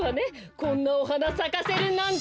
こんなおはなさかせるなんて。